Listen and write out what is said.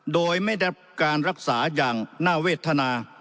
โดยไม่ได้การรักษาอย่างน่าเวทนา